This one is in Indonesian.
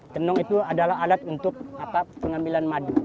tenung itu adalah alat untuk pengambilan madu